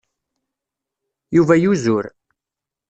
Yuba yuzur.